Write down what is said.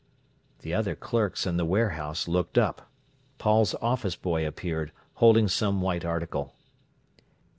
The other clerks in the warehouse looked up. Paul's office boy appeared, holding some white article.